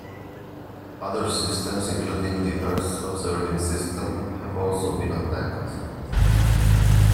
Other systems including the Earth Observing System have also been attacked.